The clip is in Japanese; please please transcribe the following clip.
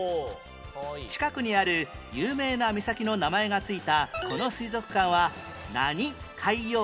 近くにある有名な岬の名前が付いたこの水族館は何海洋館？